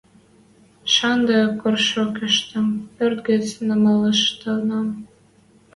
– Шанды коршокыштым пӧрт гӹц намалыштынам...